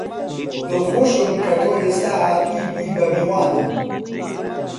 دڵخۆشم کە تۆ ئێستا هاتووی بووی بە میوانم